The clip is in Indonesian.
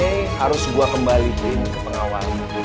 hari ini harus gue kembalikan ke pengawal